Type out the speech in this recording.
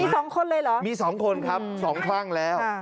มี๒คนเลยเหรอมี๒คนครับ๒ครั้งแล้ว